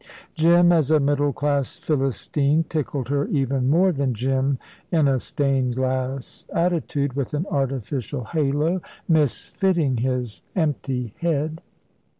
Jim as a middle class Philistine tickled her even more than Jim in a stained glass attitude, with an artificial halo misfitting his empty head.